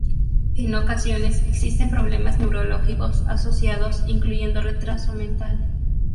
En ocasiones existen problemas neurológicos asociados, incluyendo retraso mental.